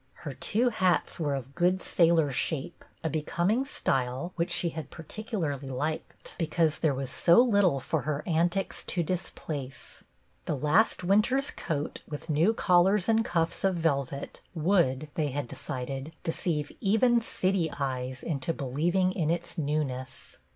Her two hats were of good sailor shape, a becoming style which she particularly liked 48 BETTY BAIRD because there was so little for her antics to displace. The last winter's coat with new collar and cuffs of velvet would, they had decided, deceive even city eyes into believ ing in its newness.